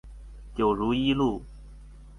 九如一路